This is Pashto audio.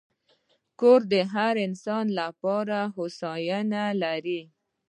کور د هر انسان لپاره هوساینه لري.